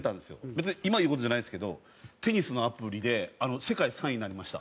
別に今言う事じゃないんですけどテニスのアプリで世界３位になりました。